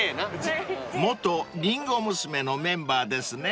［元りんご娘のメンバーですね］